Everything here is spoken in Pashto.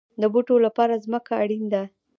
د بوټو لپاره ځمکه اړین ده